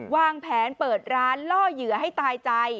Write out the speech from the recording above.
วางแผนเปิดร้านล่อเหยื่อให้ตายใจ